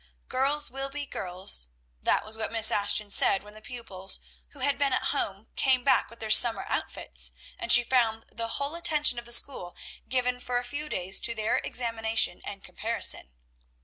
"Girls will be girls," that was what Miss Ashton said when the pupils who had been at home came back with their summer outfits, and she found the whole attention of the school given for a few days to their examination and comparison.